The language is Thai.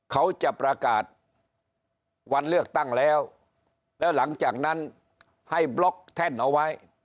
เขาจะประกาศวันเลือกตั้งแล้วแล้วหลังจากนั้นให้บล็อกแท่นเอาไว้